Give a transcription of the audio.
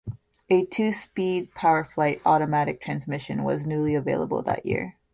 A two-speed "PowerFlite" automatic transmission was newly available that year.